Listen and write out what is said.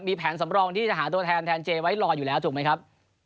มีแผนสำรองที่จะหาตัวแทนแทนเจไว้รออยู่แล้วถูกไหมครับ